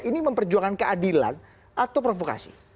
ini memperjuangkan keadilan atau provokasi